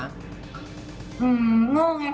โง่ไงค่ะความรักโง่ของตัวเอง